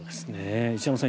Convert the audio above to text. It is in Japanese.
石山さん